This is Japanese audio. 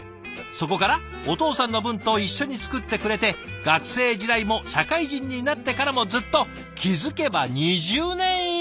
そこからお父さんの分と一緒に作ってくれて学生時代も社会人になってからもずっと気付けば２０年以上！